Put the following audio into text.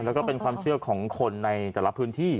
แล้วก็เป็นความเชื่อของคนในแต่ละพื้นที่